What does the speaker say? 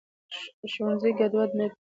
ښوونځي ګډوډ نه دی.